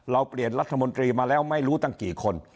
เราเปลี่ยนรัฐมนตรีมาแล้วไม่รู้ตั้งกี่คน